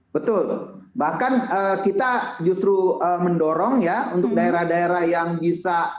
betul bahkan kita justru mendorong ya untuk daerah daerah yang bisa